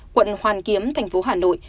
quận hoàn kiếm thành phố hà nội